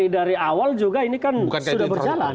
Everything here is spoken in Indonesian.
dari awal juga ini kan sudah berjalan